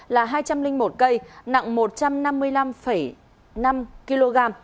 là hai trăm linh một cây nặng một trăm năm mươi năm năm kg